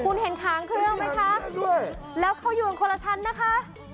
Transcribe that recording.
คุณเห็นขางเครื่องไหมคะแล้วเขาอยู่กันคนละชั้นนะคะ